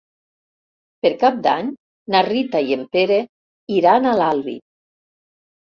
Per Cap d'Any na Rita i en Pere iran a l'Albi.